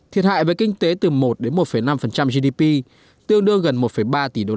thiệt hại với kinh tế từ một một năm gdp tiêu đưa gần một ba tỷ usd